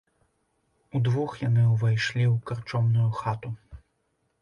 Удвух яны ўвайшлі ў карчомную хату.